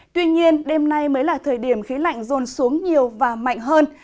tuy nhiên đêm nay mới là thời điểm khí lạnh rồn xuống nhiều và mạnh hơn